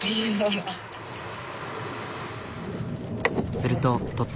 すると突然。